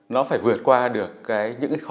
nó phải vượt qua được cái những khó khăn